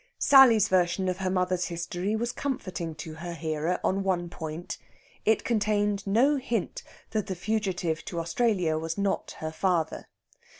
Sally's version of her mother's history was comforting to her hearer on one point: it contained no hint that the fugitive to Australia was not her father.